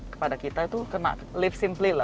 kepada kita itu kena lift simply lah